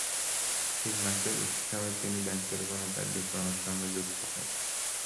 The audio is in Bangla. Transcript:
তিন মাসের বেশি সময় তিনি ব্যাংকের কোনো কার্যক্রমের সঙ্গে যুক্ত নেই।